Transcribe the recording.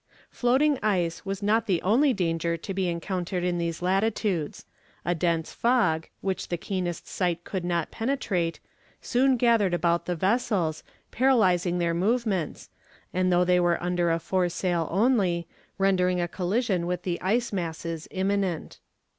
Floating ice was not the only danger to be encountered in these latitudes: a dense fog, which the keenest sight could not penetrate, soon gathered about the vessels, paralyzing their movements, and though they were under a foresail only, rendering a collision with the ice masses imminent.